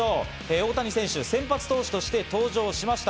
大谷選手、先発投手として登場しました。